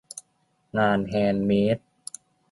งานแฮนด์เมด